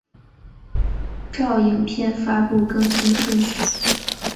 照影片发布更新顺序